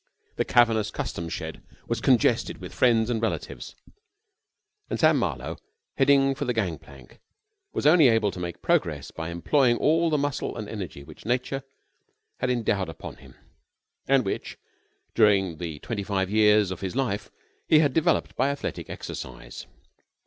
The cavernous customs shed was congested with friends and relatives, and Sam Marlowe, heading for the gang plank, was only able to make progress by employing all the muscle and energy which Nature had bestowed upon him, and which during the twenty five years of his life he had developed by athletic exercise.